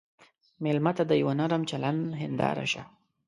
مېلمه ته د یوه نرم چلند هنداره شه.